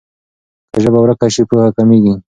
که ژبه ورکه سي پوهه کمېږي.